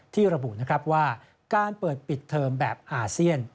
ระบุนะครับว่าการเปิดปิดเทอมแบบอาเซียน